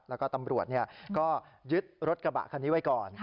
แล้วก็ตำรวจก็ยึดรถกระบะคันนี้ไว้ก่อน